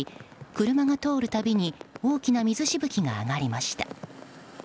車が通るたびに大きな水しぶきが上がりました。